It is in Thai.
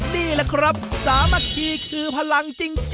นี่แหละครับสามัคคีคือพลังจริง